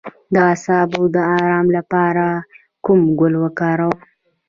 د اعصابو د ارام لپاره کوم ګل وکاروم؟